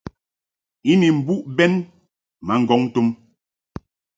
I ni mbuʼ bɛn ma ŋgɔŋ tum.